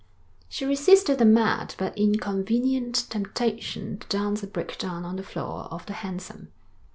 She resisted a mad, but inconvenient, temptation to dance a breakdown on the floor of the hansom.